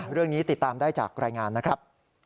เรื่องนี้ติดตามได้จากรายงานนะครับ